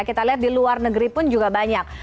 kita lihat di luar negeri pun juga banyak